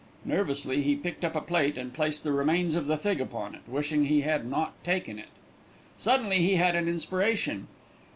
Nervously he picked up a plate and placed the remains of the fig upon it, wishing he had not taken it. Suddenly he had an inspiration.